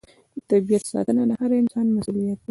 د طبیعت ساتنه د هر انسان مسوولیت دی.